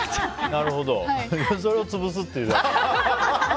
それを潰すっていうんだよ。